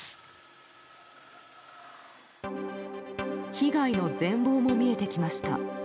被害の全貌も見えてきました。